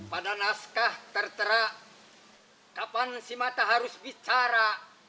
pada naskah tertera kapan si mata harus bicara